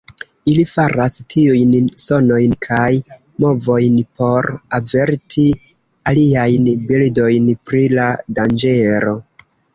Ili faras tiujn sonojn kaj movojn por averti aliajn birdojn pri la danĝero.